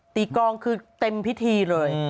ตีกองคือเต็มพิธีเลย